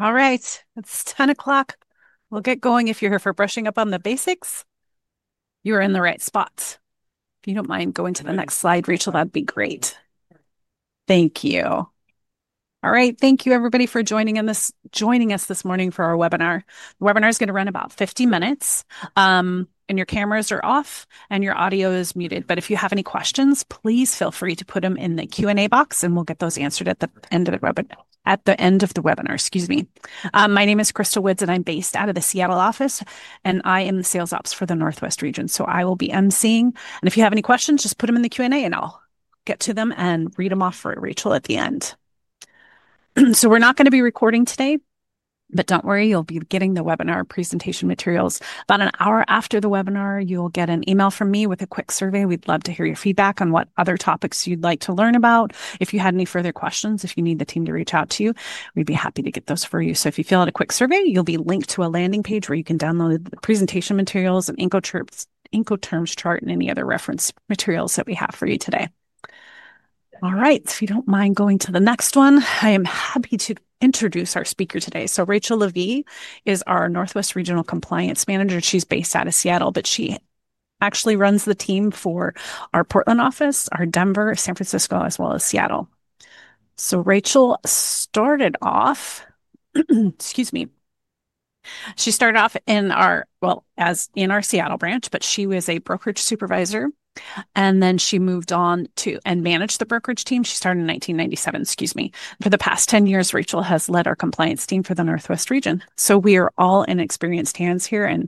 All right, it's 10:00. We'll get going. If you're here for brushing up on the basics, you're in the right spot. If you don't mind going to the next slide, Rachel, that'd be great. Thank you. All right, thank you, everybody, for joining us this morning for our webinar. The webinar is going to run about 50 minutes, and your cameras are off and your audio is muted. If you have any questions, please feel free to put them in the Q&A box, and we'll get those answered at the end of the webinar. Excuse me. My name is Crystal Woods, and I'm based out of the Seattle office, and I am the Sales Ops for the Northwest region. I will be emceeing. If you have any questions, just put them in the Q&A, and I'll get to them and read them off for Rachel at the end. We are not going to be recording today, but do not worry, you will be getting the webinar presentation materials. About an hour after the webinar, you will get an email from me with a quick survey. We would love to hear your feedback on what other topics you would like to learn about. If you had any further questions, if you need the team to reach out to you, we would be happy to get those for you. If you fill out a quick survey, you will be linked to a landing page where you can download the presentation materials, an Incoterms chart, and any other reference materials that we have for you today. All right, if you don't mind going to the next one, I am happy to introduce our speaker today. Rachel LeVee is our Northwest Regional Compliance Manager. She's based out of Seattle, but she actually runs the team for our Portland office, our Denver, San Francisco, as well as Seattle. Rachel started off—excuse me—she started off in our Seattle branch, but she was a brokerage supervisor, and then she moved on to and managed the brokerage team. She started in 1997. Excuse me. For the past 10 years, Rachel has led our compliance team for the Northwest region. We are all in experienced hands here.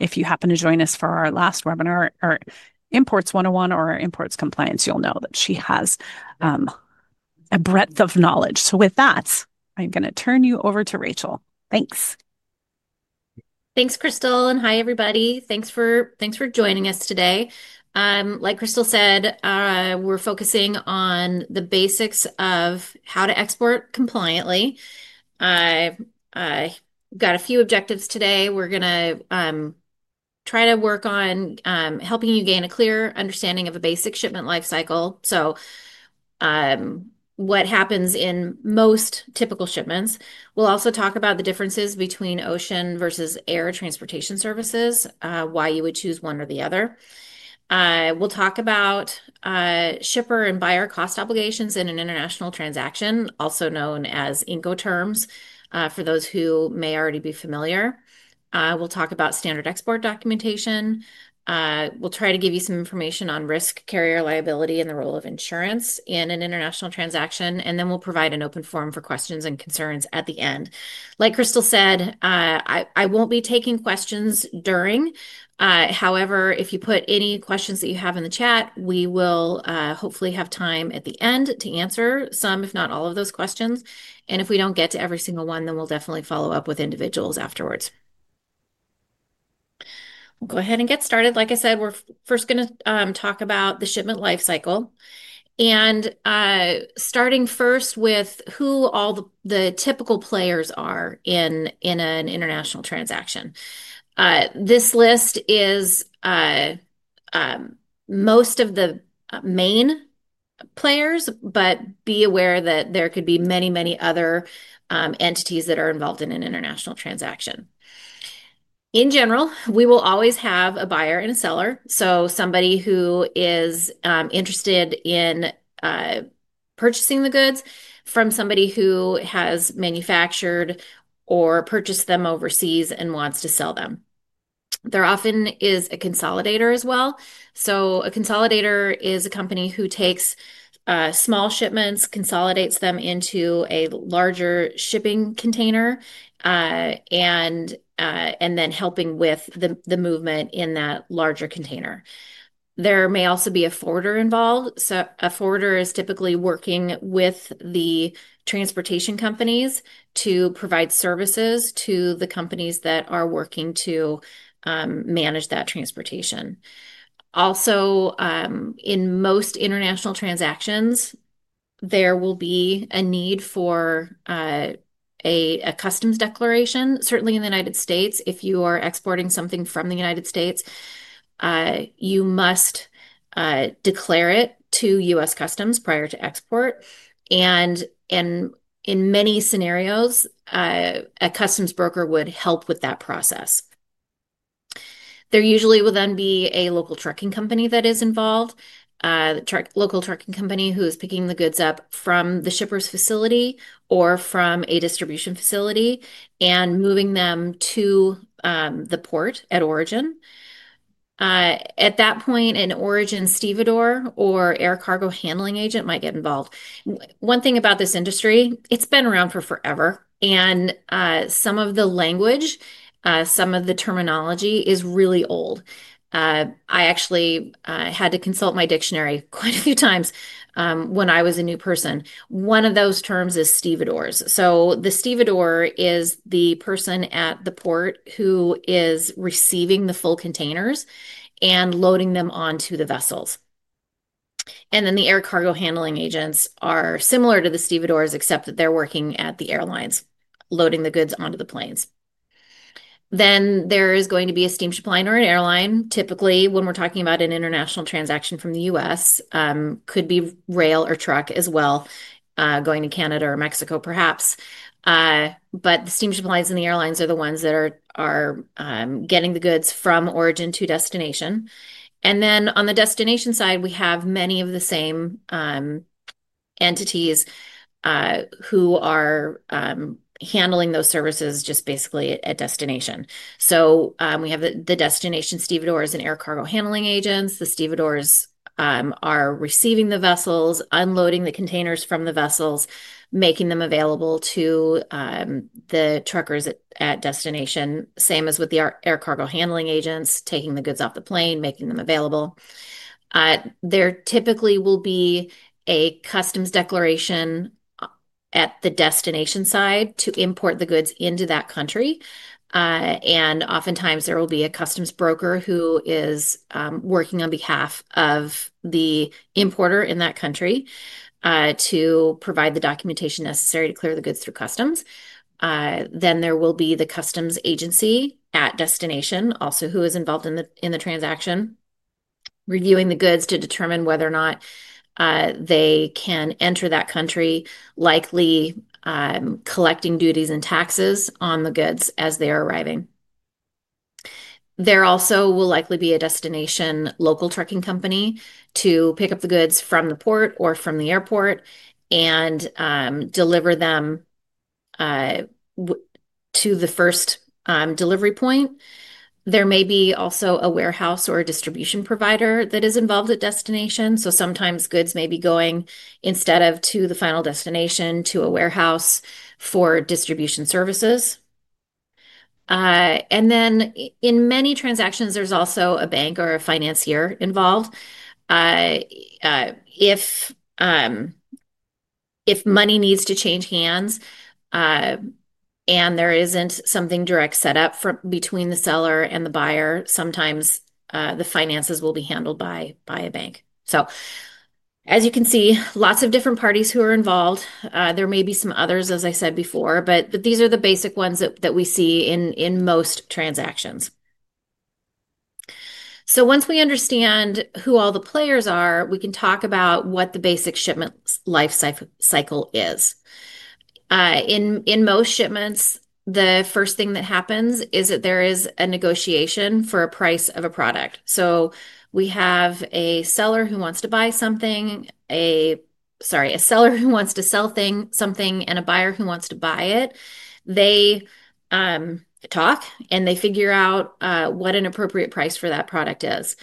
If you happen to join us for our last webinar or Imports 101 or Imports Compliance, you'll know that she has a breadth of knowledge. With that, I'm going to turn you over to Rachel. Thanks. Thanks, Crystal. Hi, everybody. Thanks for joining us today. Like Crystal said, we're focusing on the basics of how to export compliantly. I've got a few objectives today. We're going to try to work on helping you gain a clear understanding of a basic shipment life cycle, so what happens in most typical shipments. We'll also talk about the differences between ocean versus air transportation services, why you would choose one or the other. We'll talk about shipper and buyer cost obligations in an international transaction, also known as Incoterms, for those who may already be familiar. We'll talk about standard export documentation. We'll try to give you some information on risk, carrier liability, and the role of insurance in an international transaction. We'll provide an open forum for questions and concerns at the end. Like Crystal said, I won't be taking questions during. However, if you put any questions that you have in the chat, we will hopefully have time at the end to answer some, if not all of those questions. If we do not get to every single one, then we will definitely follow up with individuals afterwards. We will go ahead and get started. Like I said, we are first going to talk about the shipment life cycle. Starting first with who all the typical players are in an international transaction. This list is most of the main players, but be aware that there could be many, many other entities that are involved in an international transaction. In general, we will always have a buyer and a seller. Somebody who is interested in purchasing the goods from somebody who has manufactured or purchased them overseas and wants to sell them. There often is a consolidator as well. A consolidator is a company who takes small shipments, consolidates them into a larger shipping container, and then helping with the movement in that larger container. There may also be a forwarder involved. A forwarder is typically working with the transportation companies to provide services to the companies that are working to manage that transportation. Also, in most international transactions, there will be a need for a customs declaration. Certainly, in the United States, if you are exporting something from the United States, you must declare it to U.S. Customs prior to export. In many scenarios, a customs broker would help with that process. There usually will then be a local trucking company that is involved, a local trucking company who is picking the goods up from the shipper's facility or from a distribution facility and moving them to the port at origin. At that point, an origin stevedore or air cargo handling agent might get involved. One thing about this industry, it's been around for forever. Some of the language, some of the terminology is really old. I actually had to consult my dictionary quite a few times when I was a new person. One of those terms is stevedores. The stevedore is the person at the port who is receiving the full containers and loading them onto the vessels. The air cargo handling agents are similar to the stevedores, except that they're working at the airlines, loading the goods onto the planes. There is going to be a steam supply or an airline. Typically, when we're talking about an international transaction from the U.S., it could be rail or truck as well, going to Canada or Mexico, perhaps. The steam supplies and the airlines are the ones that are getting the goods from origin to destination. On the destination side, we have many of the same entities who are handling those services just basically at destination. We have the destination stevedores and air cargo handling agents. The stevedores are receiving the vessels, unloading the containers from the vessels, making them available to the truckers at destination, same as with the air cargo handling agents, taking the goods off the plane, making them available. There typically will be a customs declaration at the destination side to import the goods into that country. Oftentimes, there will be a customs broker who is working on behalf of the importer in that country to provide the documentation necessary to clear the goods through customs. There will be the customs agency at destination also who is involved in the transaction, reviewing the goods to determine whether or not they can enter that country, likely collecting duties and taxes on the goods as they are arriving. There also will likely be a destination local trucking company to pick up the goods from the port or from the airport and deliver them to the first delivery point. There may be also a warehouse or a distribution provider that is involved at destination. Sometimes goods may be going instead of to the final destination to a warehouse for distribution services. In many transactions, there is also a bank or a financier involved. If money needs to change hands and there is not something direct set up between the seller and the buyer, sometimes the finances will be handled by a bank. As you can see, lots of different parties who are involved. There may be some others, as I said before, but these are the basic ones that we see in most transactions. Once we understand who all the players are, we can talk about what the basic shipment life cycle is. In most shipments, the first thing that happens is that there is a negotiation for a price of a product. We have a seller who wants to sell something, and a buyer who wants to buy it. They talk, and they figure out what an appropriate price for that product is.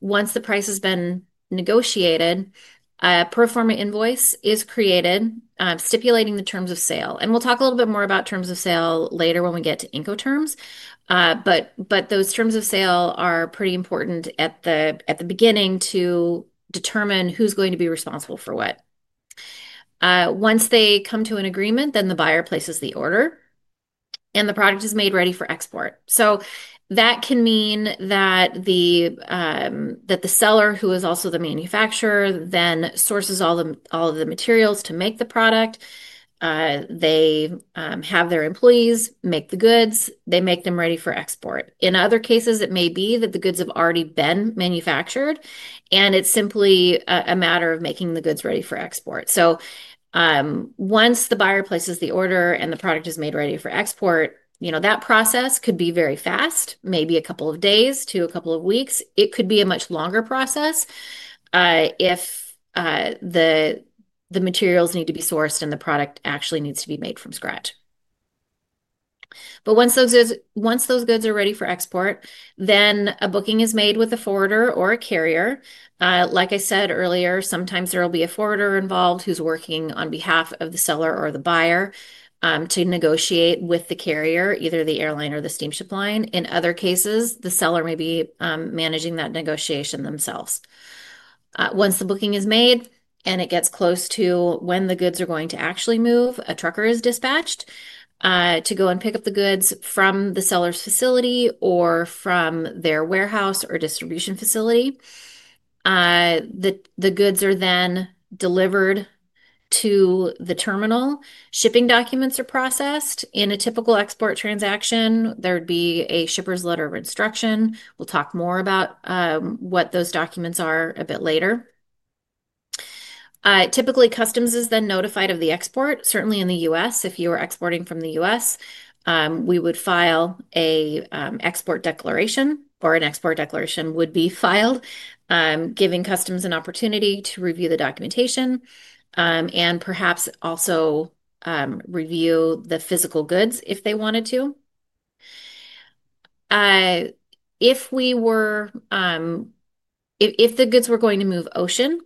Once the price has been negotiated, a pro forma invoice is created stipulating the terms of sale. We will talk a little bit more about terms of sale later when we get to Incoterms. Those terms of sale are pretty important at the beginning to determine who's going to be responsible for what. Once they come to an agreement, the buyer places the order, and the product is made ready for export. That can mean that the seller, who is also the manufacturer, then sources all of the materials to make the product. They have their employees make the goods. They make them ready for export. In other cases, it may be that the goods have already been manufactured, and it's simply a matter of making the goods ready for export. Once the buyer places the order and the product is made ready for export, that process could be very fast, maybe a couple of days to a couple of weeks. It could be a much longer process if the materials need to be sourced and the product actually needs to be made from scratch. Once those goods are ready for export, a booking is made with a forwarder or a carrier. Like I said earlier, sometimes there will be a forwarder involved who's working on behalf of the seller or the buyer to negotiate with the carrier, either the airline or the steam ship line. In other cases, the seller may be managing that negotiation themselves. Once the booking is made and it gets close to when the goods are going to actually move, a trucker is dispatched to go and pick up the goods from the seller's facility or from their warehouse or distribution facility. The goods are then delivered to the terminal. Shipping documents are processed. In a typical export transaction, there would be a shipper's letter of instruction. We'll talk more about what those documents are a bit later. Typically, customs is then notified of the export. Certainly, in the U.S., if you are exporting from the U.S., we would file an export declaration, or an export declaration would be filed, giving customs an opportunity to review the documentation and perhaps also review the physical goods if they wanted to. If the goods were going to move ocean,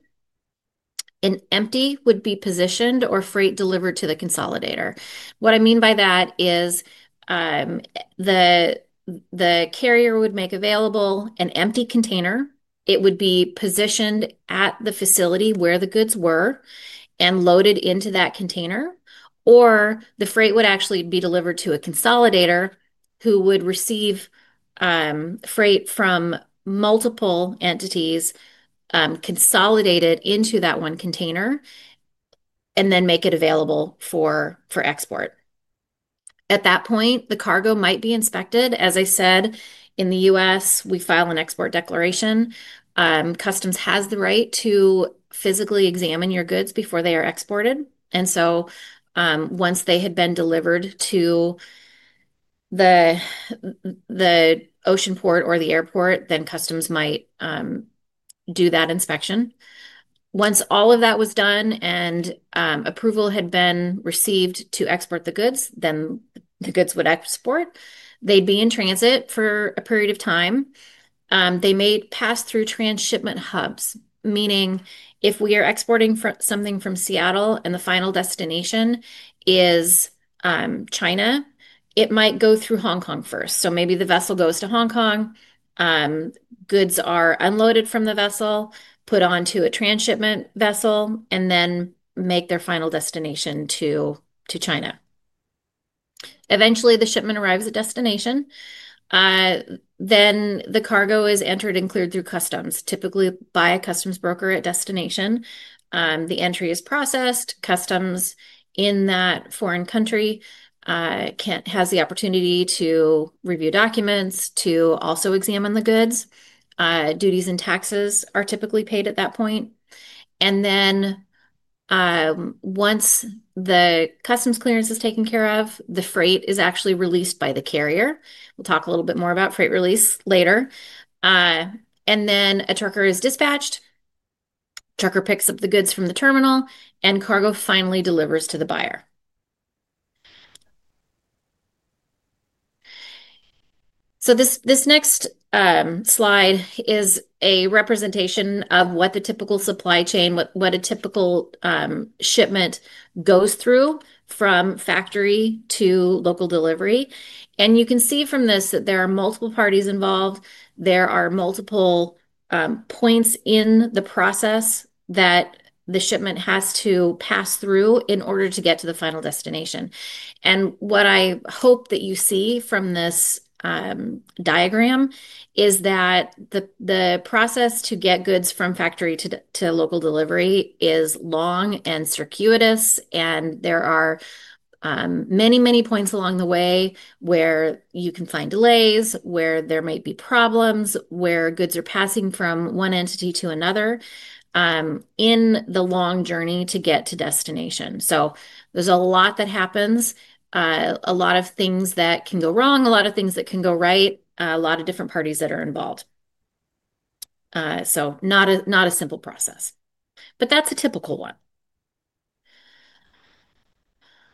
an empty would be positioned or freight delivered to the consolidator. What I mean by that is the carrier would make available an empty container. It would be positioned at the facility where the goods were and loaded into that container. The freight would actually be delivered to a consolidator who would receive freight from multiple entities consolidated into that one container and then make it available for export. At that point, the cargo might be inspected. As I said, in the U.S., we file an export declaration. Customs has the right to physically examine your goods before they are exported. Once they have been delivered to the ocean port or the airport, customs might do that inspection. Once all of that is done and approval has been received to export the goods, the goods would export. They would be in transit for a period of time. They may pass through transshipment hubs, meaning if we are exporting something from Seattle and the final destination is China, it might go through Hong Kong first. Maybe the vessel goes to Hong Kong, goods are unloaded from the vessel, put onto a transshipment vessel, and then make their final destination to China. Eventually, the shipment arrives at destination. The cargo is entered and cleared through customs, typically by a customs broker at destination. The entry is processed. Customs in that foreign country has the opportunity to review documents, to also examine the goods. Duties and taxes are typically paid at that point. Once the customs clearance is taken care of, the freight is actually released by the carrier. We'll talk a little bit more about freight release later. A trucker is dispatched. Trucker picks up the goods from the terminal, and cargo finally delivers to the buyer. This next slide is a representation of what the typical supply chain, what a typical shipment goes through from factory to local delivery. You can see from this that there are multiple parties involved. There are multiple points in the process that the shipment has to pass through in order to get to the final destination. What I hope that you see from this diagram is that the process to get goods from factory to local delivery is long and circuitous, and there are many, many points along the way where you can find delays, where there might be problems, where goods are passing from one entity to another in the long journey to get to destination. There is a lot that happens, a lot of things that can go wrong, a lot of things that can go right, a lot of different parties that are involved. Not a simple process, but that's a typical one.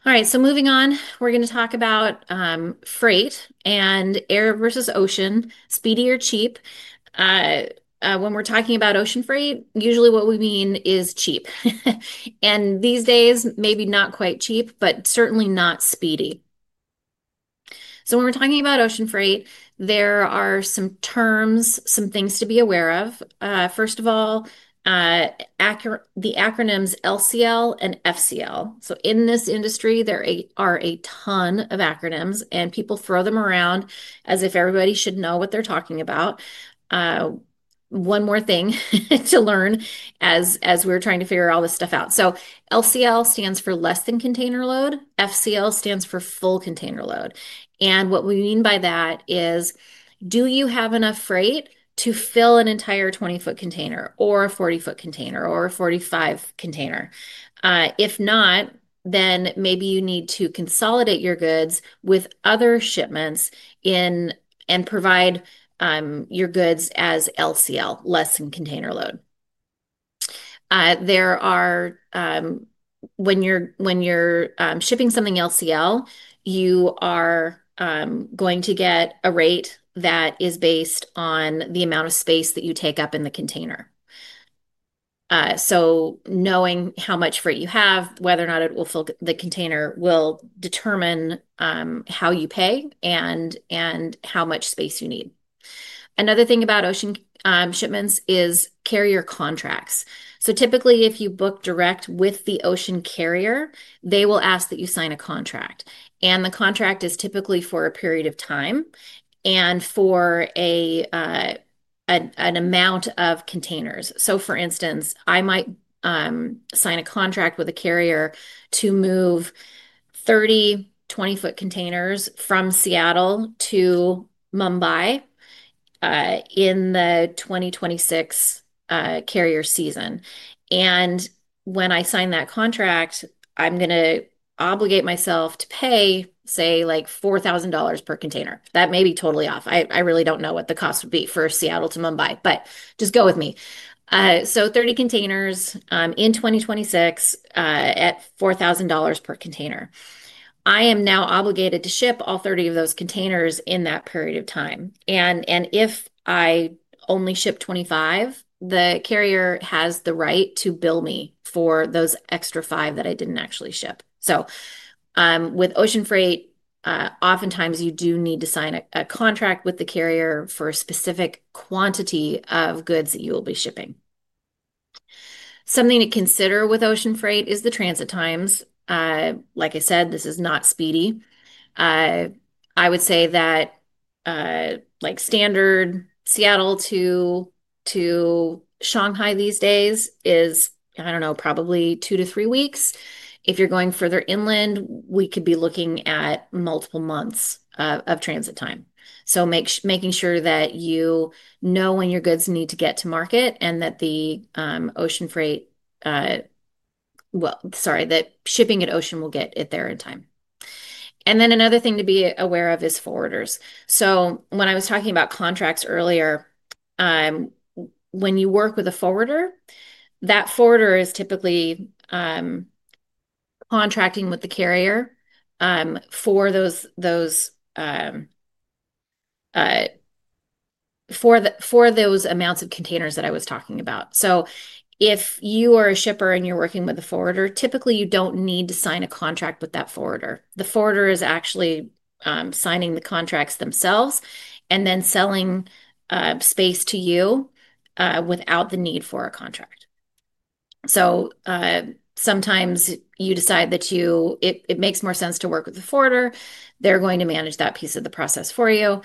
All right. Moving on, we're going to talk about freight and air versus ocean, speedy or cheap. When we're talking about ocean freight, usually what we mean is cheap. These days, maybe not quite cheap, but certainly not speedy. When we're talking about ocean freight, there are some terms, some things to be aware of. First of all, the acronyms LCL and FCL. In this industry, there are a ton of acronyms, and people throw them around as if everybody should know what they're talking about. One more thing to learn as we're trying to figure all this stuff out. LCL stands for less than container load. FCL stands for full container load. What we mean by that is, do you have enough freight to fill an entire 20 ft container or a 40 ft container or a 45 ft container? If not, then maybe you need to consolidate your goods with other shipments and provide your goods as LCL, less than container load. When you're shipping something LCL, you are going to get a rate that is based on the amount of space that you take up in the container. Knowing how much freight you have, whether or not it will fill the container, will determine how you pay and how much space you need. Another thing about ocean shipments is carrier contracts. Typically, if you book direct with the ocean carrier, they will ask that you sign a contract. The contract is typically for a period of time and for an amount of containers. For instance, I might sign a contract with a carrier to move 30 ft, 20 ft containers from Seattle to Mumbai in the 2026 carrier season. When I sign that contract, I'm going to obligate myself to pay, say, like $4,000 per container. That may be totally off. I really don't know what the cost would be for Seattle to Mumbai, but just go with me. 30 containers in 2026 at $4,000 per container. I am now obligated to ship all 30 of those containers in that period of time. If I only ship 25, the carrier has the right to bill me for those extra five that I didn't actually ship. With ocean freight, oftentimes you do need to sign a contract with the carrier for a specific quantity of goods that you will be shipping. Something to consider with ocean freight is the transit times. Like I said, this is not speedy. I would say that standard Seattle to Shanghai these days is, I don't know, probably two to three weeks. If you're going further inland, we could be looking at multiple months of transit time. Making sure that you know when your goods need to get to market and that the ocean freight, sorry, that shipping at ocean will get it there in time. Another thing to be aware of is forwarders. When I was talking about contracts earlier, when you work with a forwarder, that forwarder is typically contracting with the carrier for those amounts of containers that I was talking about. If you are a shipper and you're working with a forwarder, typically you don't need to sign a contract with that forwarder. The forwarder is actually signing the contracts themselves and then selling space to you without the need for a contract. Sometimes you decide that it makes more sense to work with a forwarder. They're going to manage that piece of the process for you.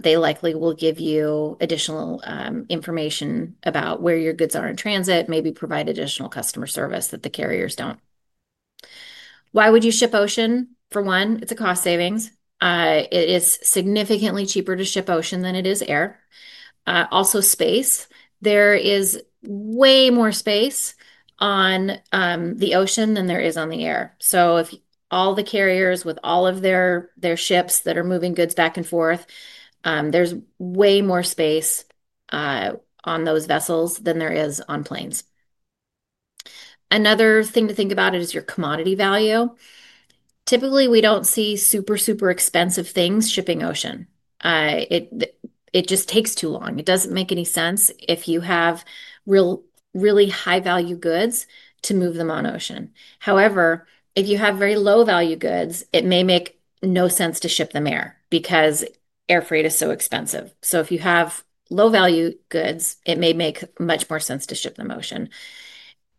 They likely will give you additional information about where your goods are in transit, maybe provide additional customer service that the carriers don't. Why would you ship ocean? For one, it's a cost savings. It is significantly cheaper to ship ocean than it is air. Also, space. There is way more space on the ocean than there is on the air. All the carriers with all of their ships that are moving goods back and forth, there's way more space on those vessels than there is on planes. Another thing to think about is your commodity value. Typically, we don't see super, super expensive things shipping ocean. It just takes too long. It doesn't make any sense if you have really high-value goods to move them on ocean. However, if you have very low-value goods, it may make no sense to ship them air because air freight is so expensive. If you have low-value goods, it may make much more sense to ship them ocean.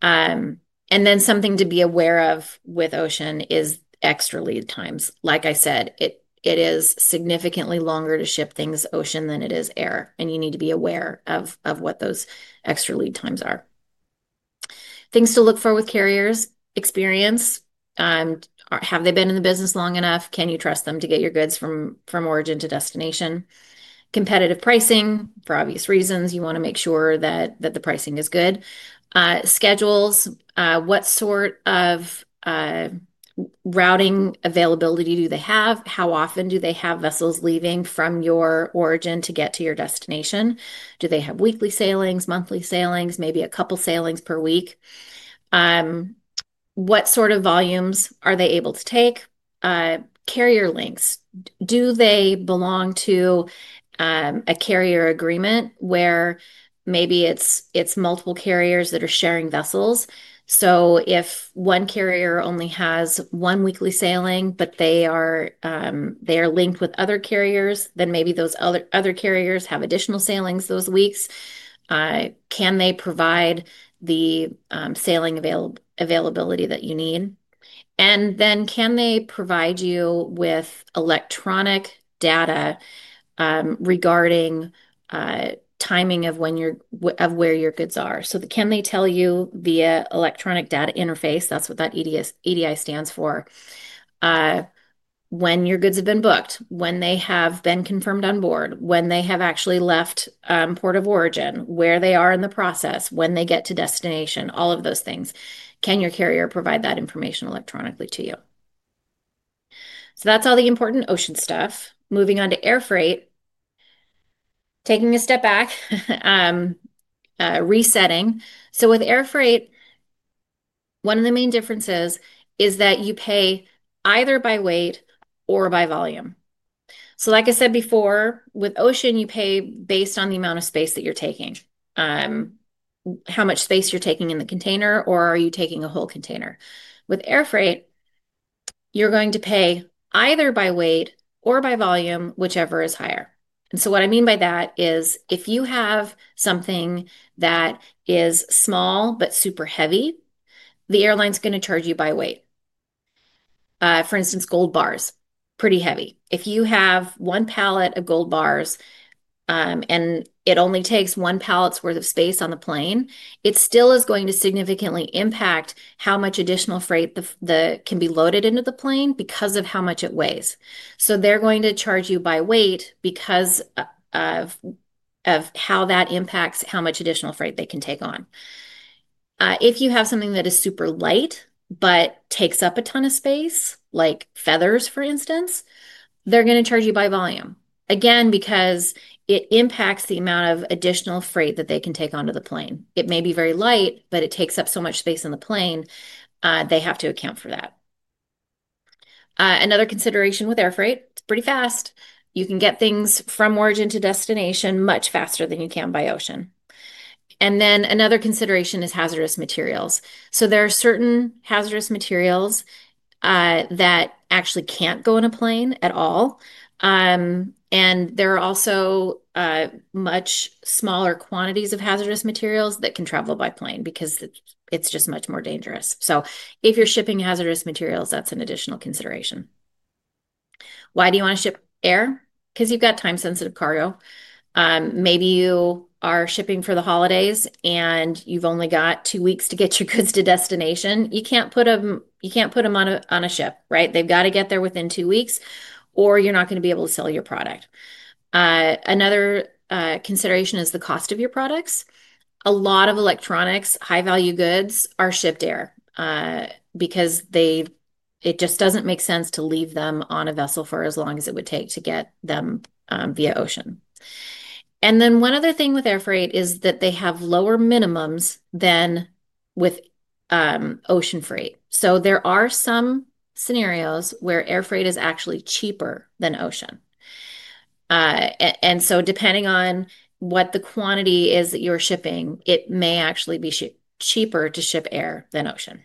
Something to be aware of with ocean is extra lead times. Like I said, it is significantly longer to ship things ocean than it is air. You need to be aware of what those extra lead times are. Things to look for with carriers: experience. Have they been in the business long enough? Can you trust them to get your goods from origin to destination? Competitive pricing. For obvious reasons, you want to make sure that the pricing is good. Schedules. What sort of routing availability do they have? How often do they have vessels leaving from your origin to get to your destination? Do they have weekly sailings, monthly sailings, maybe a couple of sailings per week? What sort of volumes are they able to take? Carrier links. Do they belong to a carrier agreement where maybe it's multiple carriers that are sharing vessels? If one carrier only has one weekly sailing, but they are linked with other carriers, then maybe those other carriers have additional sailings those weeks. Can they provide the sailing availability that you need? Can they provide you with electronic data regarding timing of where your goods are? Can they tell you via electronic data interface? That's what that EDI stands for. When your goods have been booked, when they have been confirmed on board, when they have actually left port of origin, where they are in the process, when they get to destination, all of those things. Can your carrier provide that information electronically to you? That is all the important ocean stuff. Moving on to air freight. Taking a step back, resetting. With air freight, one of the main differences is that you pay either by weight or by volume. Like I said before, with ocean, you pay based on the amount of space that you are taking, how much space you are taking in the container, or are you taking a whole container. With air freight, you are going to pay either by weight or by volume, whichever is higher. What I mean by that is if you have something that is small but super heavy, the airline's going to charge you by weight. For instance, gold bars, pretty heavy. If you have one pallet of gold bars and it only takes one pallet's worth of space on the plane, it still is going to significantly impact how much additional freight can be loaded into the plane because of how much it weighs. They're going to charge you by weight because of how that impacts how much additional freight they can take on. If you have something that is super light but takes up a ton of space, like feathers, for instance, they're going to charge you by volume. Again, because it impacts the amount of additional freight that they can take onto the plane. It may be very light, but it takes up so much space on the plane, they have to account for that. Another consideration with air freight, it's pretty fast. You can get things from origin to destination much faster than you can by ocean. Another consideration is hazardous materials. There are certain hazardous materials that actually can't go in a plane at all. There are also much smaller quantities of hazardous materials that can travel by plane because it's just much more dangerous. If you're shipping hazardous materials, that's an additional consideration. Why do you want to ship air? Because you've got time-sensitive cargo. Maybe you are shipping for the holidays, and you've only got two weeks to get your goods to destination. You can't put them on a ship, right? They've got to get there within two weeks, or you're not going to be able to sell your product. Another consideration is the cost of your products. A lot of electronics, high-value goods are shipped air because it just doesn't make sense to leave them on a vessel for as long as it would take to get them via ocean. One other thing with air freight is that they have lower minimums than with ocean freight. There are some scenarios where air freight is actually cheaper than ocean. Depending on what the quantity is that you're shipping, it may actually be cheaper to ship air than ocean.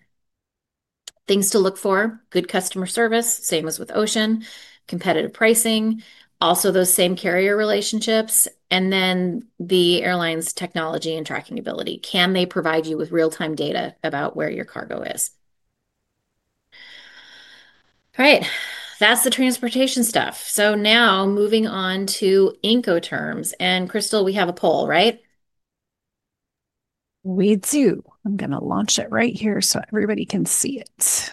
Things to look for: good customer service, same as with ocean, competitive pricing, also those same carrier relationships, and then the airline's technology and tracking ability. Can they provide you with real-time data about where your cargo is? All right. That's the transportation stuff. Now moving on to Incoterms. Crystal, we have a poll, right? We do. I'm going to launch it right here so everybody can see it.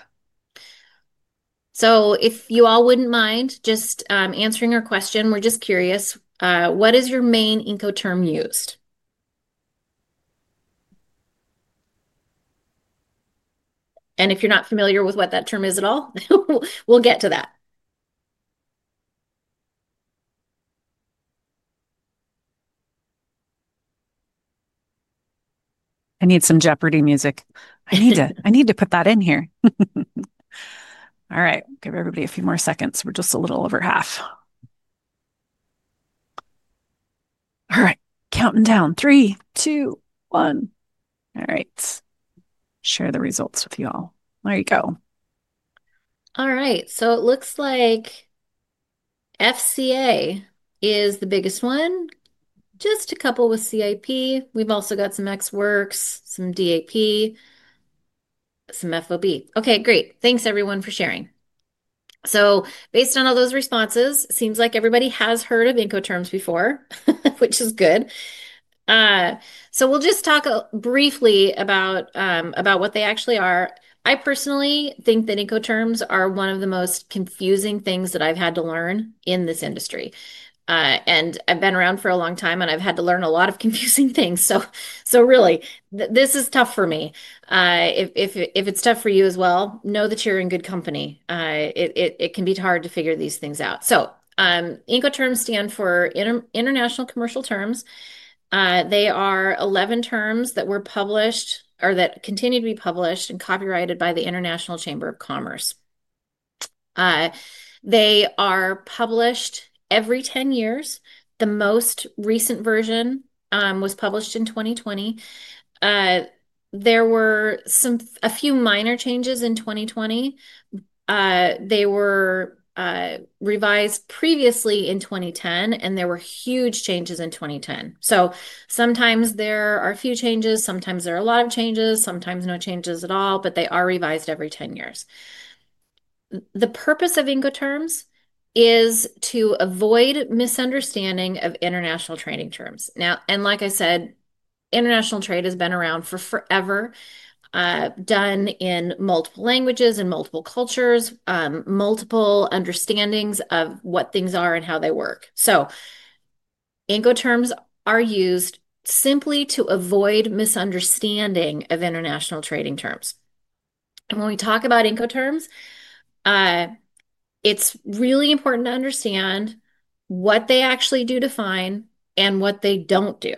If you all wouldn't mind just answering our question, we're just curious, what is your main Incoterm used? If you're not familiar with what that term is at all, we'll get to that. I need some Jeopardy music. I need to put that in here. All right. Give everybody a few more seconds. We're just a little over half. All right. Counting down. Three, two, one. All right. Share the results with you all. There you go. It looks like FCA is the biggest one, just a couple with CIP. We've also got some ExWorks, some DAP, some FOB. Okay. Great. Thanks, everyone, for sharing. Based on all those responses, it seems like everybody has heard of Incoterms before, which is good. We'll just talk briefly about what they actually are. I personally think that Incoterms are one of the most confusing things that I've had to learn in this industry. I've been around for a long time, and I've had to learn a lot of confusing things. This is tough for me. If it's tough for you as well, know that you're in good company. It can be hard to figure these things out. Incoterms stand for International Commercial Terms. They are 11 terms that were published or that continue to be published and copyrighted by the International Chamber of Commerce. They are published every 10 years. The most recent version was published in 2020. There were a few minor changes in 2020. They were revised previously in 2010, and there were huge changes in 2010. Sometimes there are a few changes. Sometimes there are a lot of changes. Sometimes no changes at all, but they are revised every 10 years. The purpose of Incoterms is to avoid misunderstanding of international trading terms. Like I said, international trade has been around for forever, done in multiple languages and multiple cultures, multiple understandings of what things are and how they work. Incoterms are used simply to avoid misunderstanding of international trading terms. When we talk about Incoterms, it's really important to understand what they actually do define and what they don't do.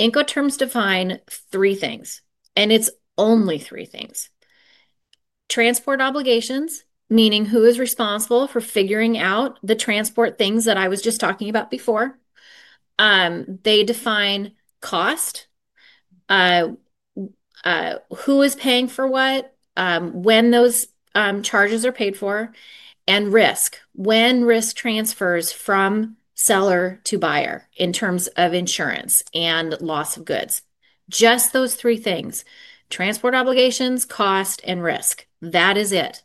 Incoterms define three things, and it's only three things. Transport obligations, meaning who is responsible for figuring out the transport things that I was just talking about before. They define cost, who is paying for what, when those charges are paid for, and risk, when risk transfers from seller to buyer in terms of insurance and loss of goods. Just those three things: transport obligations, cost, and risk. That is it.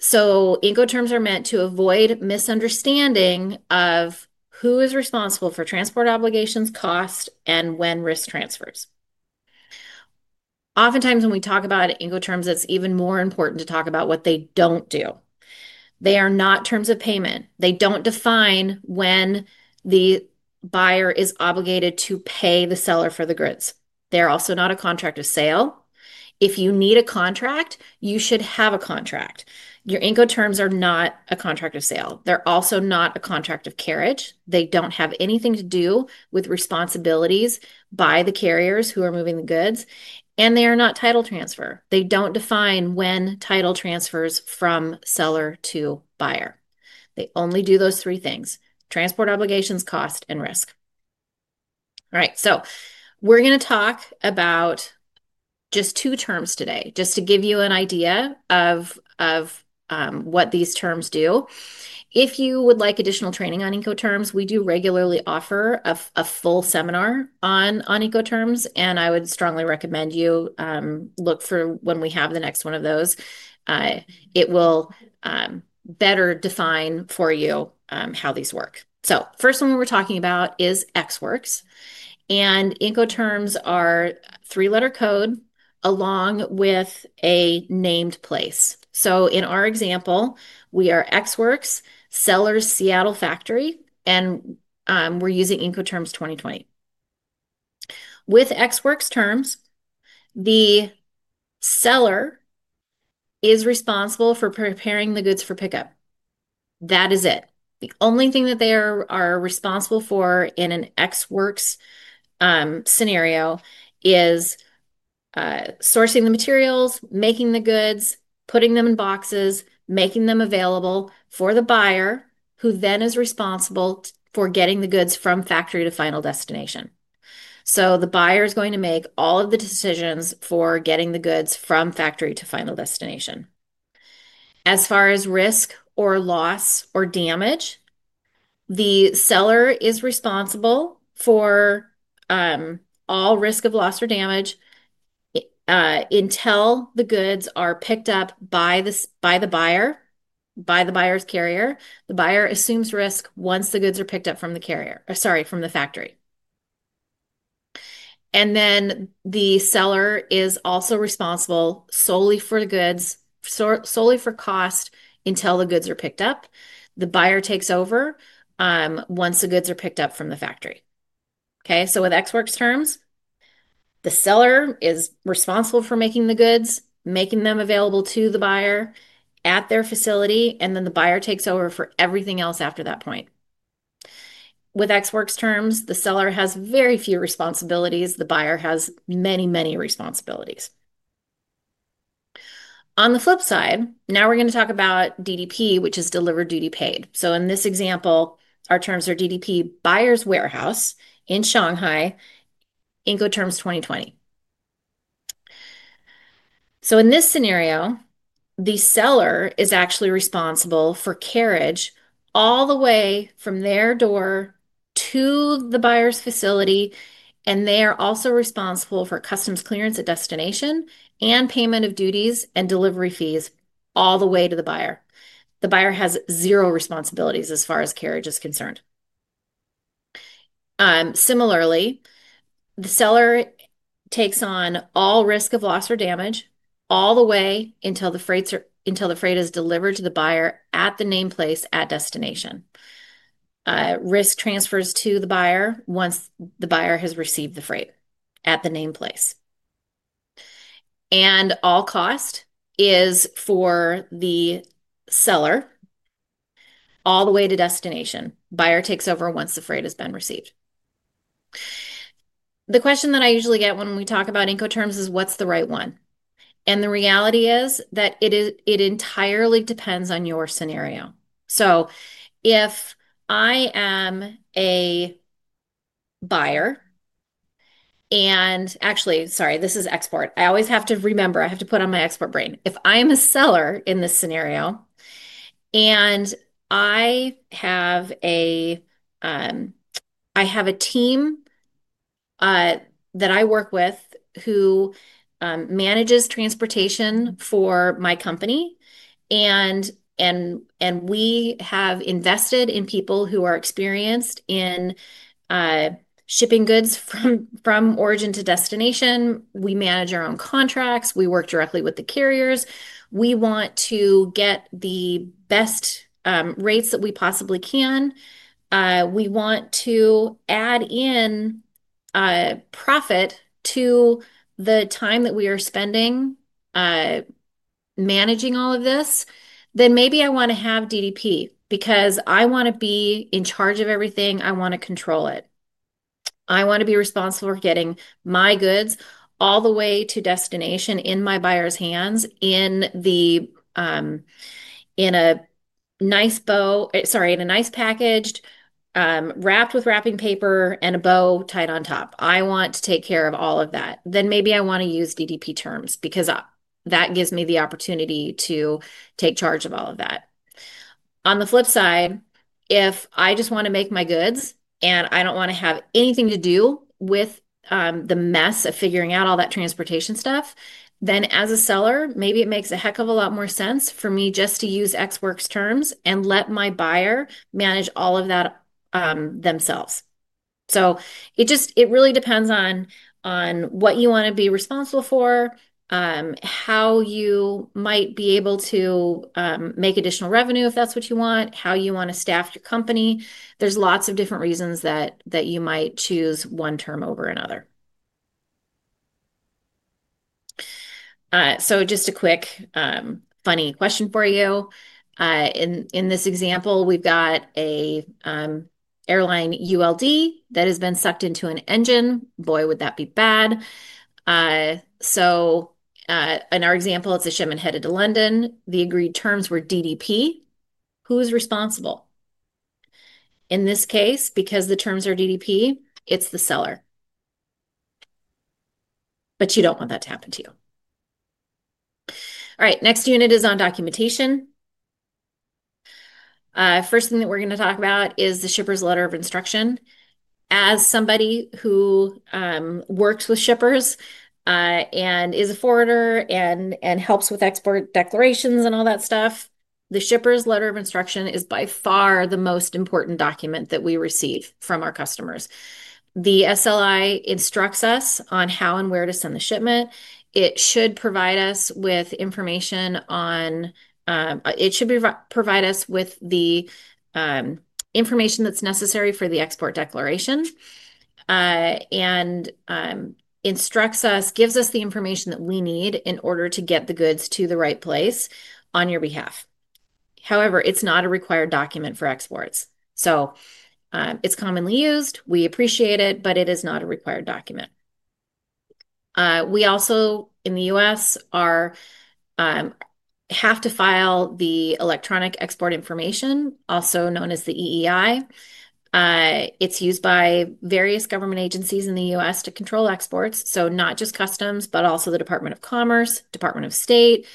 Incoterms are meant to avoid misunderstanding of who is responsible for transport obligations, cost, and when risk transfers. Oftentimes, when we talk about Incoterms, it's even more important to talk about what they don't do. They are not terms of payment. They don't define when the buyer is obligated to pay the seller for the goods. They are also not a contract of sale. If you need a contract, you should have a contract. Your Incoterms are not a contract of sale. They're also not a contract of carriage. They don't have anything to do with responsibilities by the carriers who are moving the goods. They are not title transfer. They do not define when title transfers from seller to buyer. They only do those three things: transport obligations, cost, and risk. All right. We are going to talk about just two terms today, just to give you an idea of what these terms do. If you would like additional training on Incoterms, we do regularly offer a full seminar on Incoterms, and I would strongly recommend you look for when we have the next one of those. It will better define for you how these work. The first one we are talking about is ExWorks. Incoterms are a three-letter code along with a named place. In our example, we are ExWorks, Sellers Seattle Factory, and we are using Incoterms 2020. With ExWorks terms, the seller is responsible for preparing the goods for pickup. That is it. The only thing that they are responsible for in an ExWorks scenario is sourcing the materials, making the goods, putting them in boxes, making them available for the buyer, who then is responsible for getting the goods from factory to final destination. The buyer is going to make all of the decisions for getting the goods from factory to final destination. As far as risk or loss or damage, the seller is responsible for all risk of loss or damage until the goods are picked up by the buyer, by the buyer's carrier. The buyer assumes risk once the goods are picked up from the carrier or, sorry, from the factory. The seller is also responsible solely for the goods, solely for cost until the goods are picked up. The buyer takes over once the goods are picked up from the factory. Okay? With ExWorks terms, the seller is responsible for making the goods, making them available to the buyer at their facility, and then the buyer takes over for everything else after that point. With ExWorks terms, the seller has very few responsibilities. The buyer has many, many responsibilities. On the flip side, now we are going to talk about DDP, which is delivered duty paid. In this example, our terms are DDP, buyer's warehouse in Shanghai, Incoterms 2020. In this scenario, the seller is actually responsible for carriage all the way from their door to the buyer's facility, and they are also responsible for customs clearance at destination and payment of duties and delivery fees all the way to the buyer. The buyer has zero responsibilities as far as carriage is concerned. Similarly, the seller takes on all risk of loss or damage all the way until the freight is delivered to the buyer at the named place at destination. Risk transfers to the buyer once the buyer has received the freight at the named place. All cost is for the seller all the way to destination. Buyer takes over once the freight has been received. The question that I usually get when we talk about Incoterms is, "What's the right one?" The reality is that it entirely depends on your scenario. If I am a buyer and actually, sorry, this is export. I always have to remember. I have to put on my export brain. If I am a seller in this scenario and I have a team that I work with who manages transportation for my company, and we have invested in people who are experienced in shipping goods from origin to destination, we manage our own contracts, we work directly with the carriers, we want to get the best rates that we possibly can, we want to add in profit to the time that we are spending managing all of this, then maybe I want to have DDP because I want to be in charge of everything. I want to control it. I want to be responsible for getting my goods all the way to destination in my buyer's hands in a nice bow, sorry, in a nice packaged, wrapped with wrapping paper and a bow tied on top. I want to take care of all of that. Maybe I want to use DDP terms because that gives me the opportunity to take charge of all of that. On the flip side, if I just want to make my goods and I don't want to have anything to do with the mess of figuring out all that transportation stuff, then as a seller, maybe it makes a heck of a lot more sense for me just to use ExWorks terms and let my buyer manage all of that themselves. It really depends on what you want to be responsible for, how you might be able to make additional revenue if that's what you want, how you want to staff your company. There are lots of different reasons that you might choose one term over another. Just a quick, funny question for you. In this example, we've got an airline ULD that has been sucked into an engine. Boy, would that be bad. In our example, it's a shipment headed to London. The agreed terms were DDP. Who is responsible? In this case, because the terms are DDP, it's the seller. You don't want that to happen to you. All right. Next unit is on documentation. First thing that we're going to talk about is the shipper's letter of instruction. As somebody who works with shippers and is a forwarder and helps with export declarations and all that stuff, the shipper's letter of instruction is by far the most important document that we receive from our customers. The SLI instructs us on how and where to send the shipment. It should provide us with information on, it should provide us with the information that's necessary for the export declaration and instructs us, gives us the information that we need in order to get the goods to the right place on your behalf. However, it's not a required document for exports. It's commonly used. We appreciate it, but it is not a required document. We also, in the U.S., have to file the electronic export information, also known as the EEI. It's used by various government agencies in the U.S. to control exports. Not just customs, but also the Department of Commerce, Department of State,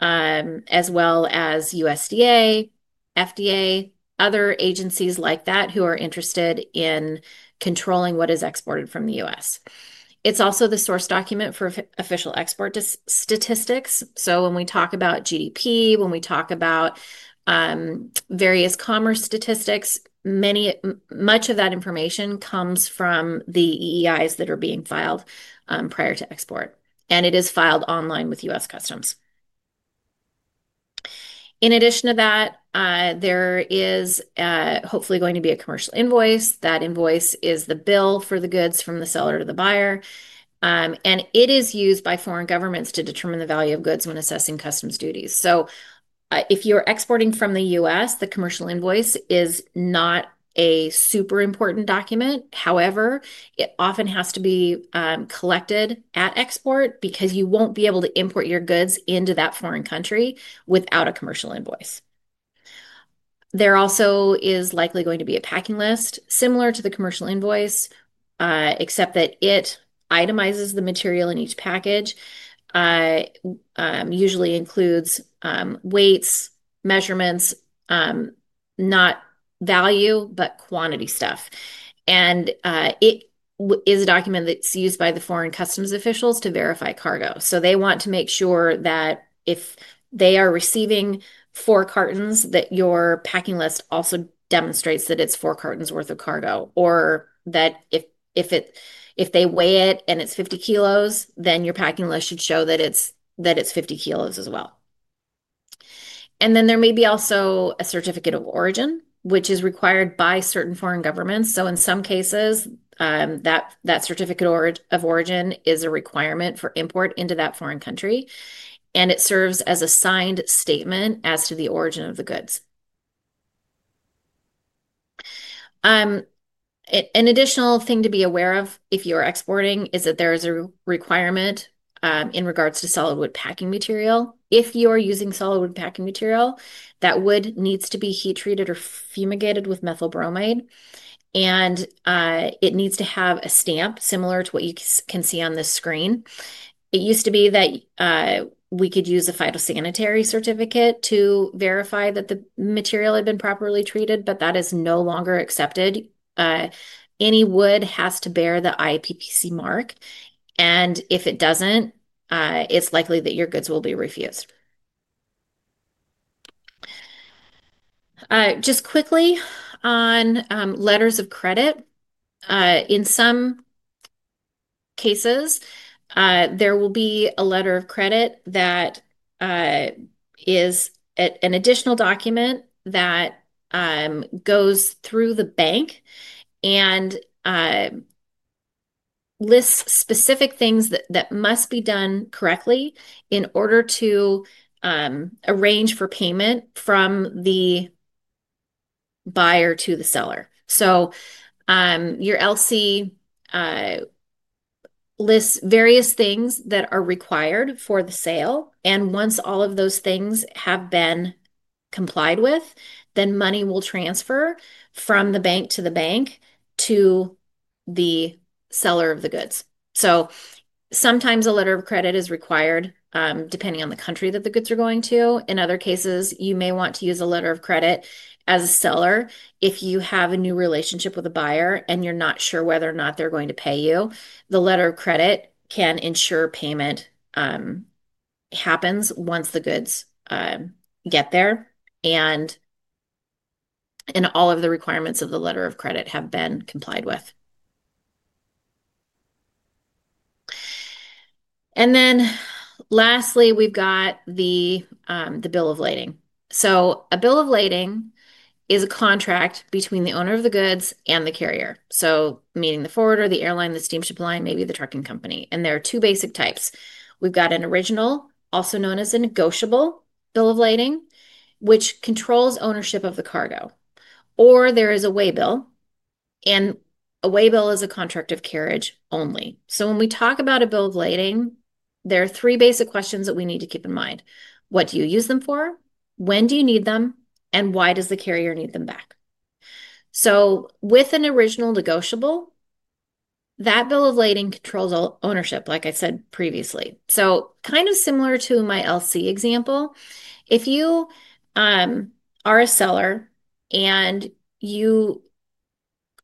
as well as USDA, FDA, other agencies like that who are interested in controlling what is exported from the U.S. It's also the source document for official export statistics. When we talk about GDP, when we talk about various commerce statistics, much of that information comes from the EEIs that are being filed prior to export. It is filed online with U.S. Customs. In addition to that, there is hopefully going to be a commercial invoice. That invoice is the bill for the goods from the seller to the buyer. It is used by foreign governments to determine the value of goods when assessing customs duties. If you're exporting from the U.S., the commercial invoice is not a super important document. However, it often has to be collected at export because you won't be able to import your goods into that foreign country without a commercial invoice. There also is likely going to be a packing list similar to the commercial invoice, except that it itemizes the material in each package. It usually includes weights, measurements, not value, but quantity stuff. It is a document that's used by the foreign customs officials to verify cargo. They want to make sure that if they are receiving four cartons, that your packing list also demonstrates that it's four cartons' worth of cargo or that if they weigh it and it's 50 kg, then your packing list should show that it's 50 kg as well. There may be also a certificate of origin, which is required by certain foreign governments. In some cases, that certificate of origin is a requirement for import into that foreign country. It serves as a signed statement as to the origin of the goods. An additional thing to be aware of if you are exporting is that there is a requirement in regards to solid wood packing material. If you are using solid wood packing material, that wood needs to be heat-treated or fumigated with methyl bromide. It needs to have a stamp similar to what you can see on this screen. It used to be that we could use a phytosanitary certificate to verify that the material had been properly treated, but that is no longer accepted. Any wood has to bear the IPPC mark. If it does not, it is likely that your goods will be refused. Just quickly on letters of credit. In some cases, there will be a letter of credit that is an additional document that goes through the bank and lists specific things that must be done correctly in order to arrange for payment from the buyer to the seller. Your LC lists various things that are required for the sale. Once all of those things have been complied with, money will transfer from the bank to the bank to the seller of the goods. Sometimes a letter of credit is required depending on the country that the goods are going to. In other cases, you may want to use a letter of credit as a seller. If you have a new relationship with a buyer and you're not sure whether or not they're going to pay you, the letter of credit can ensure payment happens once the goods get there and all of the requirements of the letter of credit have been complied with. Lastly, we've got the bill of lading. A bill of lading is a contract between the owner of the goods and the carrier, meaning the forwarder, the airline, the steamship line, maybe the trucking company. There are two basic types. We've got an original, also known as a negotiable bill of lading, which controls ownership of the cargo. There is a waybill. A waybill is a contract of carriage only. When we talk about a bill of lading, there are three basic questions that we need to keep in mind. What do you use them for? When do you need them? Why does the carrier need them back? With an original negotiable, that bill of lading controls ownership, like I said previously. Kind of similar to my LC example. If you are a seller and you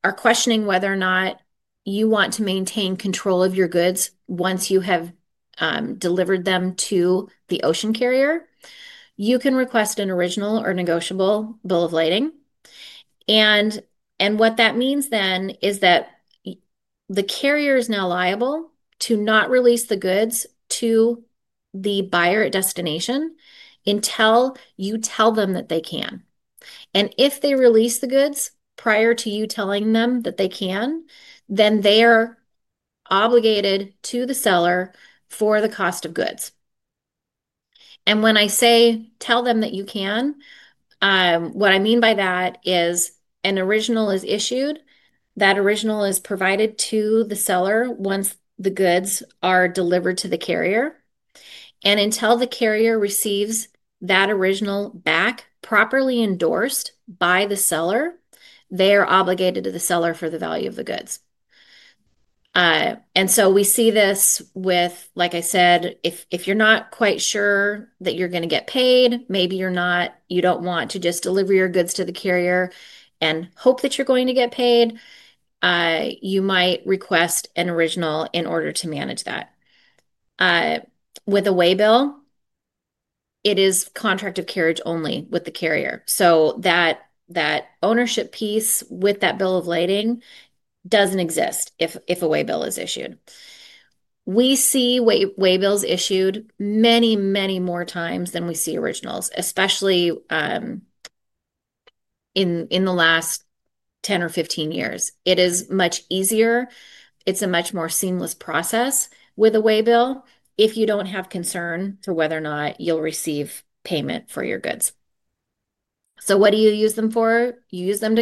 are questioning whether or not you want to maintain control of your goods once you have delivered them to the ocean carrier, you can request an original or negotiable bill of lading. What that means then is that the carrier is now liable to not release the goods to the buyer at destination until you tell them that they can. If they release the goods prior to you telling them that they can, they are obligated to the seller for the cost of goods. When I say tell them that you can, what I mean by that is an original is issued, that original is provided to the seller once the goods are delivered to the carrier. Until the carrier receives that original back properly endorsed by the seller, they are obligated to the seller for the value of the goods. We see this with, like I said, if you're not quite sure that you're going to get paid, maybe you don't want to just deliver your goods to the carrier and hope that you're going to get paid, you might request an original in order to manage that. With a waybill, it is contract of carriage only with the carrier. That ownership piece with that bill of lading doesn't exist if a waybill is issued. We see waybills issued many, many more times than we see originals, especially in the last 10 or 15 years. It is much easier. It's a much more seamless process with a waybill if you don't have concern to whether or not you'll receive payment for your goods. What do you use them for? You use them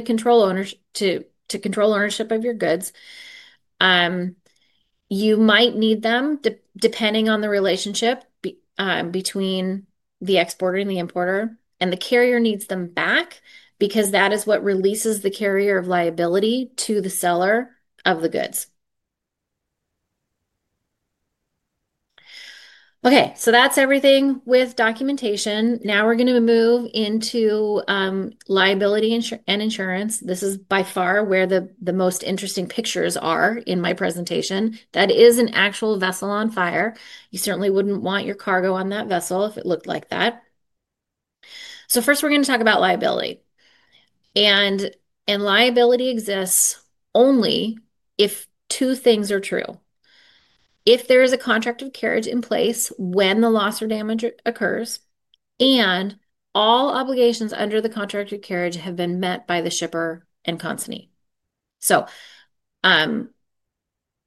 to control ownership of your goods. You might need them depending on the relationship between the exporter and the importer. The carrier needs them back because that is what releases the carrier of liability to the seller of the goods. Okay. That is everything with documentation. Now we are going to move into liability and insurance. This is by far where the most interesting pictures are in my presentation. That is an actual vessel on fire. You certainly would not want your cargo on that vessel if it looked like that. First, we are going to talk about liability. Liability exists only if two things are true. If there is a contract of carriage in place when the loss or damage occurs and all obligations under the contract of carriage have been met by the shipper and consignee.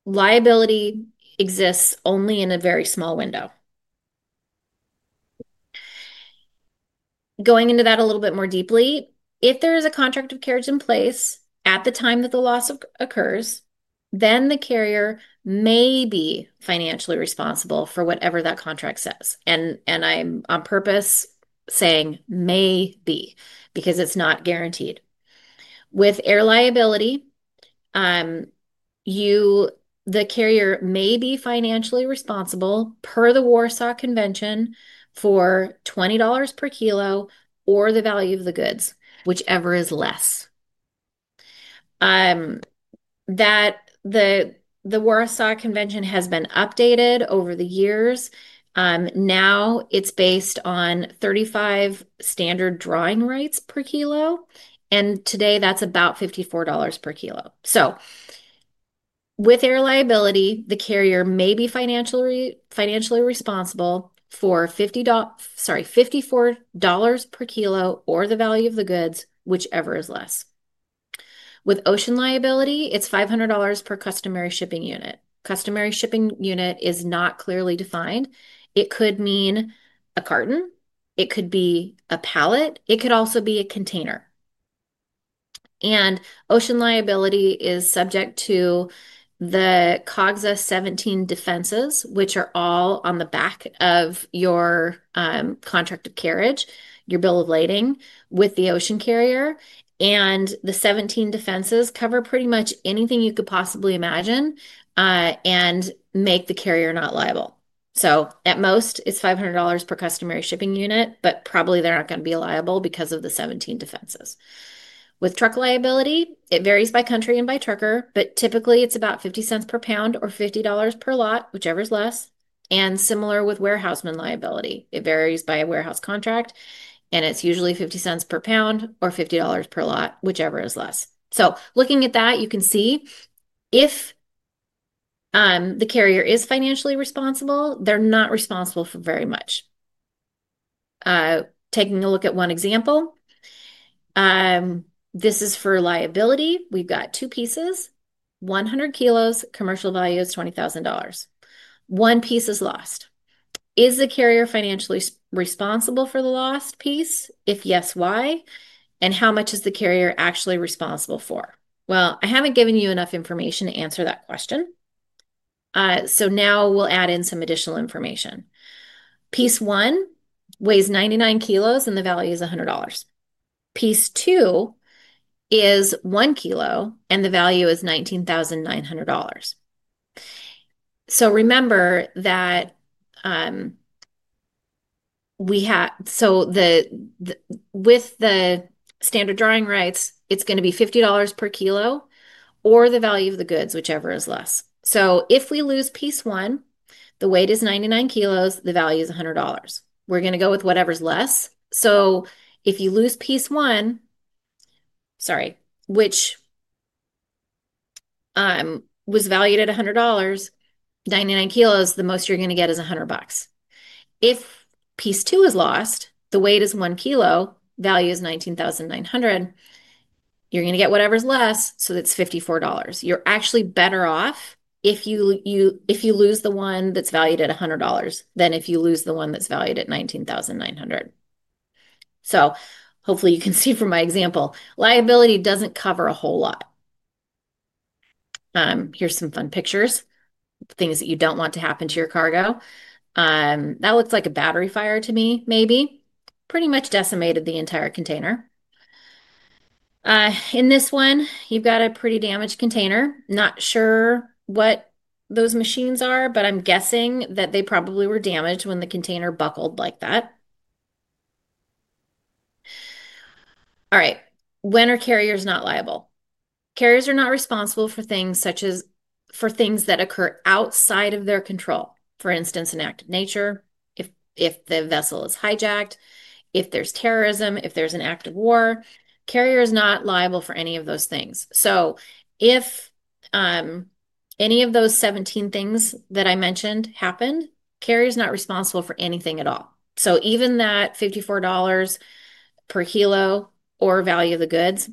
Liability exists only in a very small window. Going into that a little bit more deeply, if there is a contract of carriage in place at the time that the loss occurs, then the carrier may be financially responsible for whatever that contract says. I'm on purpose saying may be because it's not guaranteed. With air liability, the carrier may be financially responsible per the Warsaw Convention for $20 per kilo or the value of the goods, whichever is less. The Warsaw Convention has been updated over the years. Now it's based on 35 standard drawing rates per kilo. Today, that's about $54 per kilo. With air liability, the carrier may be financially responsible for $54 per kilo or the value of the goods, whichever is less. With ocean liability, it's $500 per customary shipping unit. Customary shipping unit is not clearly defined. It could mean a carton. It could be a pallet. It could also be a container. Ocean liability is subject to the COGSA 17 defenses, which are all on the back of your contract of carriage, your bill of lading with the ocean carrier. The 17 defenses cover pretty much anything you could possibly imagine and make the carrier not liable. At most, it's $500 per customary shipping unit, but probably they're not going to be liable because of the 17 defenses. With truck liability, it varies by country and by trucker, but typically, it's about $0.50 per pound or $50 per lot, whichever is less. Similar with warehouseman liability. It varies by a warehouse contract. It's usually $0.50 per pound or $50 per lot, whichever is less. Looking at that, you can see if the carrier is financially responsible, they're not responsible for very much. Taking a look at one example, this is for liability. We've got two pieces, 100 kg, commercial value is $20,000. One piece is lost. Is the carrier financially responsible for the lost piece? If yes, why? And how much is the carrier actually responsible for? I haven't given you enough information to answer that question. Now we'll add in some additional information. Piece one weighs 99 kg and the value is $100. Piece two is 1 kg and the value is $19,900. Remember that with the standard drawing rights, it's going to be $50 per kg or the value of the goods, whichever is less. If we lose piece one, the weight is 99 kg, the value is $100. We're going to go with whatever's less. If you lose piece one, sorry, which was valued at $100, 99 kg, the most you're going to get is $100. If piece two is lost, the weight is 1 kg, value is $19,900, you're going to get whatever's less, so it's $54. You're actually better off if you lose the one that's valued at $100 than if you lose the one that's valued at $19,900. Hopefully, you can see from my example, liability doesn't cover a whole lot. Here are some fun pictures, things that you don't want to happen to your cargo. That looks like a battery fire to me, maybe. Pretty much decimated the entire container. In this one, you've got a pretty damaged container. Not sure what those machines are, but I'm guessing that they probably were damaged when the container buckled like that. All right. When are carriers not liable? Carriers are not responsible for things that occur outside of their control. For instance, an act of nature, if the vessel is hijacked, if there's terrorism, if there's an act of war. Carrier is not liable for any of those things. If any of those 17 things that I mentioned happened, carrier is not responsible for anything at all. Even that $54 per kilo or value of the goods,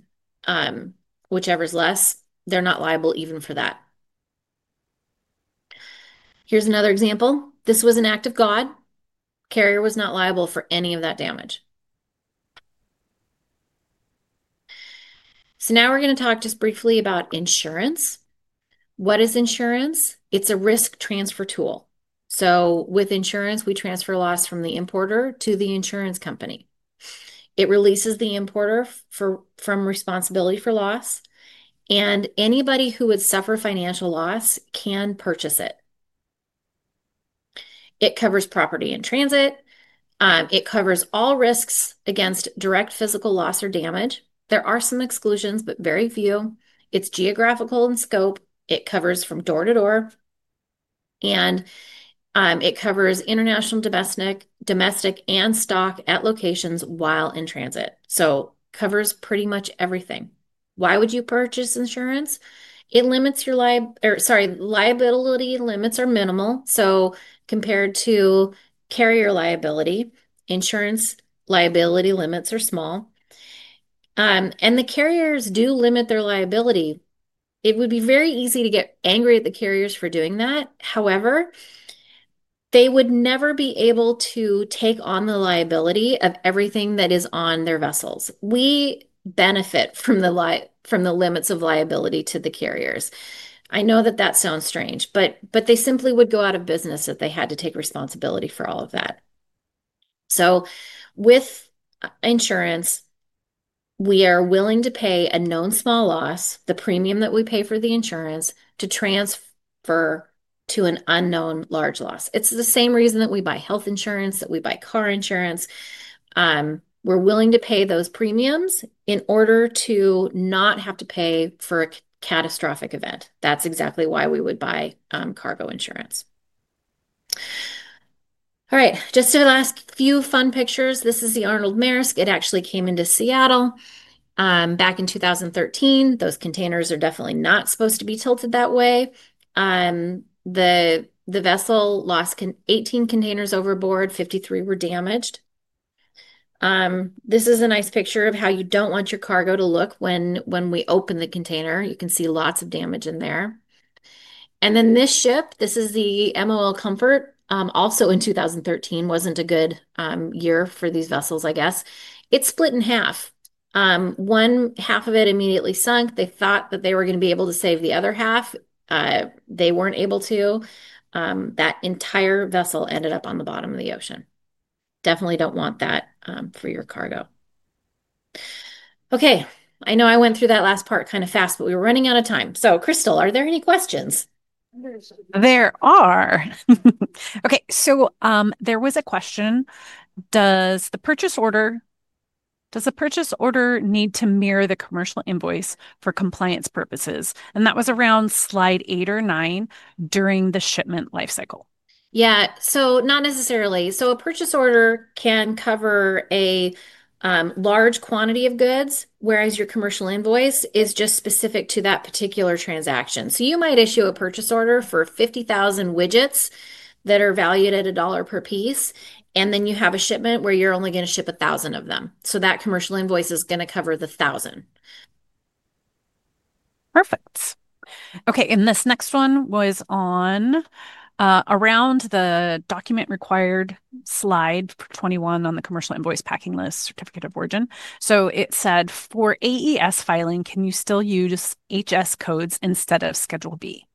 whichever's less, they're not liable even for that. Here's another example. This was an act of God. Carrier was not liable for any of that damage. Now we're going to talk just briefly about insurance. What is insurance? It's a risk transfer tool. With insurance, we transfer loss from the importer to the insurance company. It releases the importer from responsibility for loss. Anybody who would suffer financial loss can purchase it. It covers property and transit. It covers all risks against direct physical loss or damage. There are some exclusions, but very few. It is geographical in scope. It covers from door to door. It covers international, domestic, and stock at locations while in transit. It covers pretty much everything. Why would you purchase insurance? It limits your liability. Limits are minimal. Compared to carrier liability, insurance liability limits are small. The carriers do limit their liability. It would be very easy to get angry at the carriers for doing that. However, they would never be able to take on the liability of everything that is on their vessels. We benefit from the limits of liability to the carriers. I know that that sounds strange, but they simply would go out of business if they had to take responsibility for all of that. With insurance, we are willing to pay a known small loss, the premium that we pay for the insurance, to transfer to an unknown large loss. It's the same reason that we buy health insurance, that we buy car insurance. We're willing to pay those premiums in order to not have to pay for a catastrophic event. That's exactly why we would buy cargo insurance. All right. Just a last few fun pictures. This is the Arnold Maersk. It actually came into Seattle back in 2013. Those containers are definitely not supposed to be tilted that way. The vessel lost 18 containers overboard. 53 were damaged. This is a nice picture of how you don't want your cargo to look when we open the container. You can see lots of damage in there. Then this ship, this is the MOL Comfort, also in 2013, was not a good year for these vessels, I guess. It split in half. One half of it immediately sunk. They thought that they were going to be able to save the other half. They were not able to. That entire vessel ended up on the bottom of the ocean. Definitely do not want that for your cargo. Okay. I know I went through that last part kind of fast, but we were running out of time. Crystal, are there any questions? There are. There was a question. Does the purchase order need to mirror the commercial invoice for compliance purposes? That was around slide 8 or 9 during the shipment lifecycle. Yeah. Not necessarily. A purchase order can cover a large quantity of goods, whereas your commercial invoice is just specific to that particular transaction. You might issue a purchase order for 50,000 widgets that are valued at $1 per piece. Then you have a shipment where you're only going to ship 1,000 of them. That commercial invoice is going to cover the 1,000. Perfect. Okay. This next one was around the document required slide 21 on the commercial invoice, packing list, certificate of origin. It said, "For AES filing, can you still use HS codes instead of Schedule B?"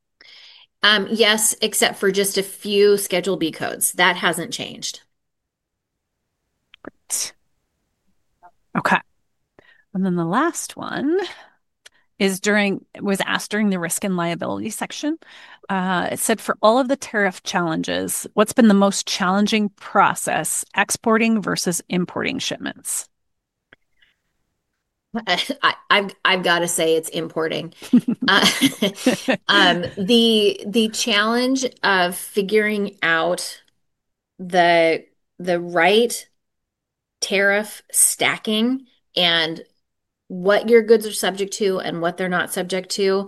Yes, except for just a few Schedule B codes. That hasn't changed. Great. Okay. The last one was asked during the risk and liability section. It said, "For all of the tariff challenges, what's been the most challenging process, exporting versus importing shipments?" I've got to say it's importing. The challenge of figuring out the right tariff stacking and what your goods are subject to and what they're not subject to,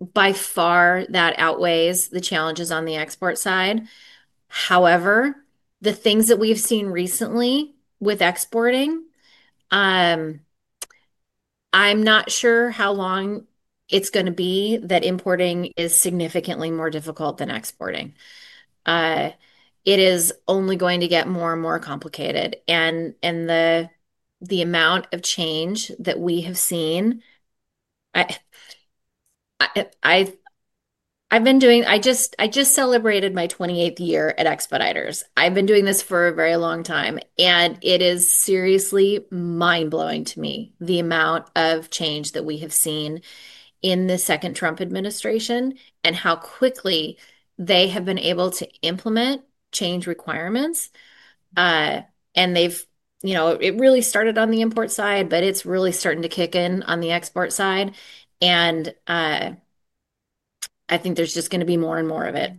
by far, that outweighs the challenges on the export side. However, the things that we've seen recently with exporting, I'm not sure how long it's going to be that importing is significantly more difficult than exporting. It is only going to get more and more complicated. The amount of change that we have seen, I've been doing I just celebrated my 28th year at Expeditors. I've been doing this for a very long time. It is seriously mind-blowing to me, the amount of change that we have seen in the second Trump administration and how quickly they have been able to implement change requirements. It really started on the import side, but it is really starting to kick in on the export side. I think there is just going to be more and more of it.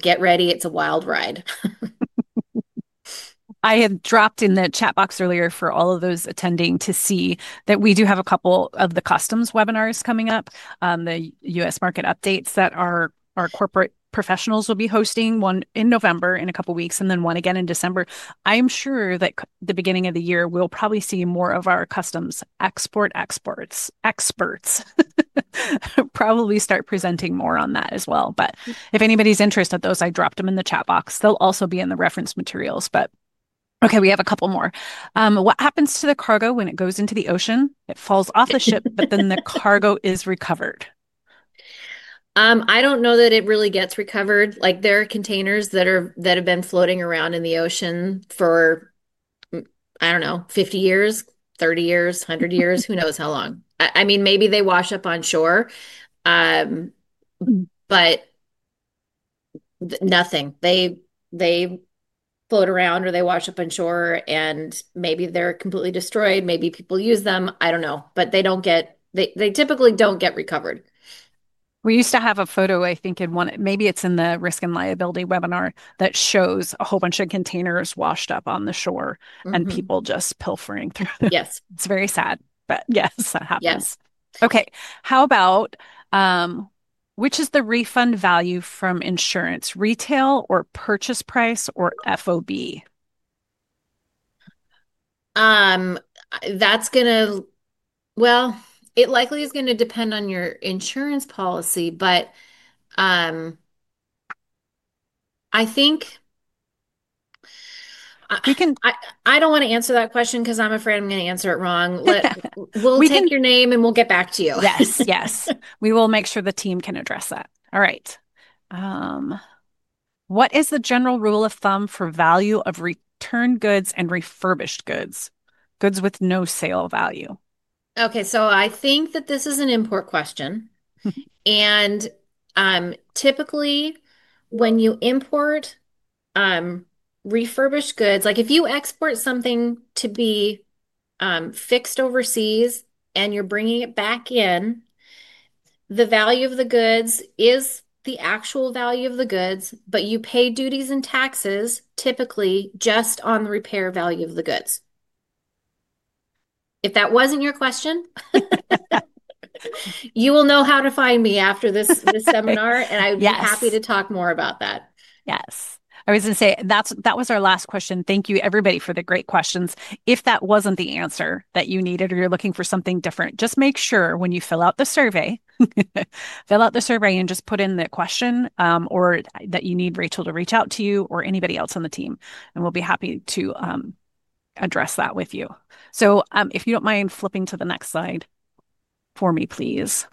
Get ready. It is a wild ride. I had dropped in the chat box earlier for all of those attending to see that we do have a couple of the customs webinars coming up, the US market updates that our corporate professionals will be hosting, one in November in a couple of weeks and then one again in December. I am sure that at the beginning of the year, we will probably see more of our customs export experts probably start presenting more on that as well. If anybody's interested in those, I dropped them in the chat box. They'll also be in the reference materials. Okay, we have a couple more. What happens to the cargo when it goes into the ocean? It falls off the ship, but then the cargo is recovered. I don't know that it really gets recovered. There are containers that have been floating around in the ocean for, I don't know, 50 years, 30 years, 100 years, who knows how long. I mean, maybe they wash up on shore, but nothing. They float around or they wash up on shore, and maybe they're completely destroyed. Maybe people use them. I don't know. They typically don't get recovered. We used to have a photo, I think, in one, maybe it's in the risk and liability webinar, that shows a whole bunch of containers washed up on the shore and people just pilfering through. Yes. It's very sad, but yes, that happens. Yes. Okay. How about which is the refund value from insurance, retail or purchase price or FOB? That's going to, it likely is going to depend on your insurance policy, but I think I don't want to answer that question because I'm afraid I'm going to answer it wrong. We'll take your name and we'll get back to you. Yes. Yes. We will make sure the team can address that. All right. What is the general rule of thumb for value of returned goods and refurbished goods, goods with no sale value? Okay. I think that this is an import question. Typically, when you import refurbished goods, if you export something to be fixed overseas and you're bringing it back in, the value of the goods is the actual value of the goods, but you pay duties and taxes typically just on the repair value of the goods. If that wasn't your question, you will know how to find me after this seminar, and I would be happy to talk more about that. Yes. I was going to say that was our last question. Thank you, everybody, for the great questions. If that wasn't the answer that you needed or you're looking for something different, just make sure when you fill out the survey, fill out the survey and just put in the question or that you need Rachel to reach out to you or anybody else on the team. We will be happy to address that with you. If you don't mind flipping to the next slide for me, please.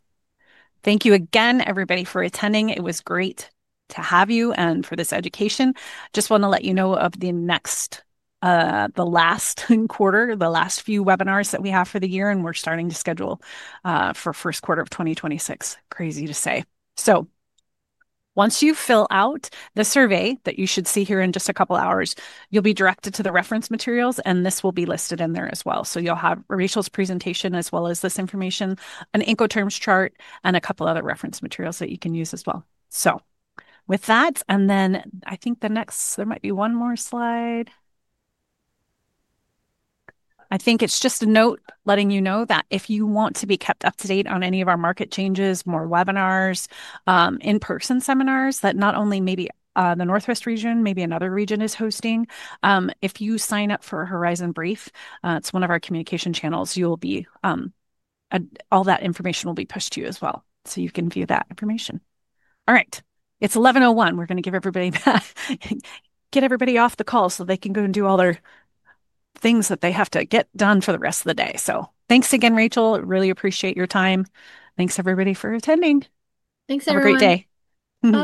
Thank you again, everybody, for attending. It was great to have you and for this education. Just want to let you know of the last quarter, the last few webinars that we have for the year, and we're starting to schedule for first quarter of 2026. Crazy to say. Once you fill out the survey that you should see here in just a couple of hours, you'll be directed to the reference materials, and this will be listed in there as well. You'll have Rachel's presentation as well as this information, an Incoterms chart, and a couple of other reference materials that you can use as well. With that, I think the next, there might be one more slide. I think it's just a note letting you know that if you want to be kept up to date on any of our market changes, more webinars, in-person seminars that not only maybe the Northwest region, maybe another region is hosting, if you sign up for Horizon Brief, it's one of our communication channels, all that information will be pushed to you as well. You can view that information. All right. It's 11:01. We're going to give everybody that. Get everybody off the call so they can go and do all their things that they have to get done for the rest of the day. Thanks again, Rachel. Really appreciate your time. Thanks, everybody, for attending. Thanks, everyone. Have a great day.